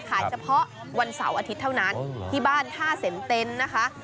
เฉพาะวันเสาร์อาทิตย์เท่านั้นที่บ้านท่าเซ็นเต็นต์นะคะ